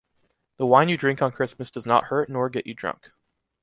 The wine you drink on Christmas does not hurt nor gets you drunk.